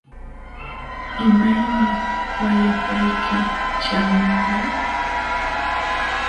¿Imaymi wayapayki ćhaamunqa?